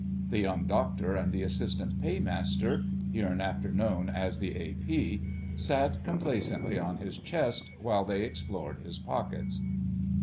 The Young Doctor and the Assistant Paymaster (hereinafter known as the A.P.) sat complacently on his chest while they explored his pockets.